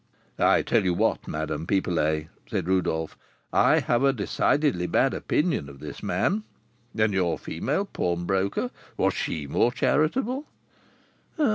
'" "I tell you what, Madame Pipelet," said Rodolph, "I have a decidedly bad opinion of this man. And your female pawnbroker, was she more charitable?"